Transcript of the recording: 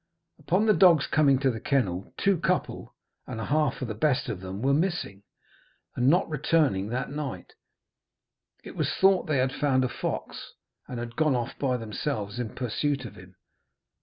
Upon the dogs coming to the kennel two couple and a half of the best of them were missing, and not returning that night, it was thought they had found a fox, and had gone off by themselves in pursuit of him.